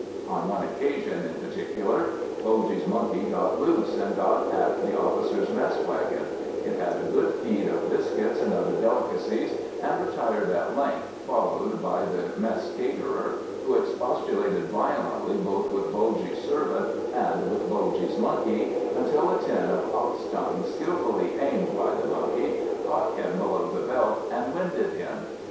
On one occasion, in particular, Bulgy's monkey got loose, and got at the officers' mess wagon; it had a good feed of biscuits and other delicacies, and retired at length, followed by the mess caterer, who expostulated violently both with Bulgy's servant and with Bulgy's monkey, until a tin of ox tongues skilfully aimed by the monkey caught him below the belt and winded him.